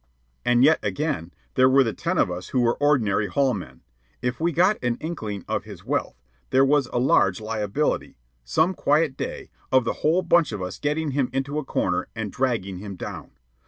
And yet again, there were the ten of us who were ordinary hall men. If we got an inkling of his wealth, there was a large liability, some quiet day, of the whole bunch of us getting him into a corner and dragging him down.